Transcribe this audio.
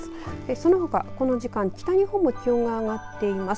そのほかこの時間、北日本も気温が上がってます。